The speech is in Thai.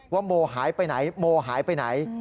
โมหายไปไหนโมหายไปไหน